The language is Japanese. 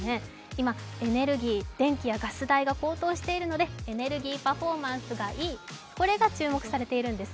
今、エネルギー、電気やガス代が高騰しているのでエネルギーパフォーマンスがいい、これが注目されているんです。